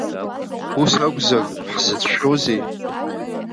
Ус акәзар, ҳзыцәшәозеи?!